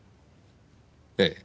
ええ。